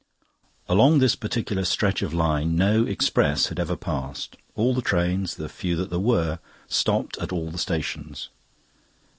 Along this particular stretch of line no express had ever passed. All the trains the few that there were stopped at all the stations.